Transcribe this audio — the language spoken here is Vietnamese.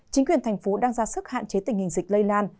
chính quyền tp hcm đang ra sức hạn chế tình hình dịch lây lan